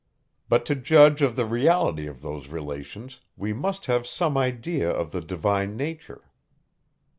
But to judge of the reality of those relations, we must have some idea of the divine nature.